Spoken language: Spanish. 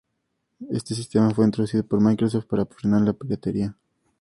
Este sistema fue introducido por Microsoft para frenar la piratería.